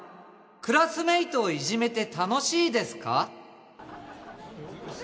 クラスメイトをイジめて楽しいですか？